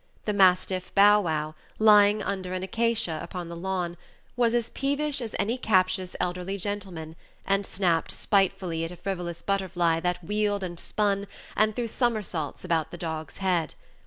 The mastiff Bow wow, lying under an acacia upon the lawn, was as peevish as any captious elderly gentleman, and snapped spitefully at a frivolous butterfly that wheeled, and spun, and threw summersaults about the dog's head.